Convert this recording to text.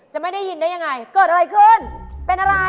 ไม่ได้ยินได้ยังไงเกิดอะไรขึ้นเป็นอะไร